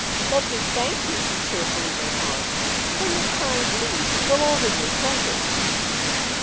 Let me thank you," he cheerfully went on, "for your kind leave to go over your treasures."